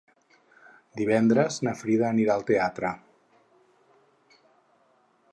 Divendres na Frida anirà al teatre.